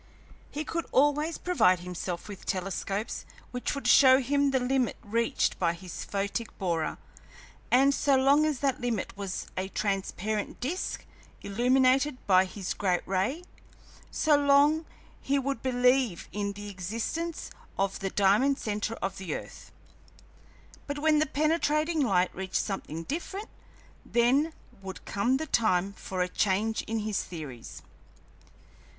He could always provide himself with telescopes which would show him the limit reached by his photic borer, and so long as that limit was a transparent disk, illuminated by his great ray, so long he would believe in the existence of the diamond centre of the earth. But when the penetrating light reached something different, then would come the time for a change in his theories.